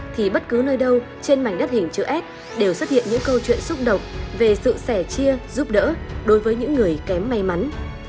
thì bất cứ nơi đâu trên mảnh đất hình chữ s đều xuất hiện những câu chuyện xúc động về sự sẻ chia giúp đỡ đối với những người kém may mắn